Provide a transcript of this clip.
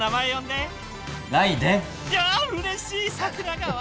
いやぁうれしい桜川。